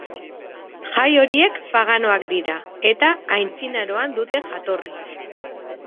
Jai horiek paganoak dira, eta antzinaroan dute jatorri.